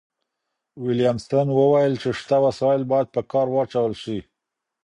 ويلم سن وويل چي شته وسايل بايد په کار واچول سي.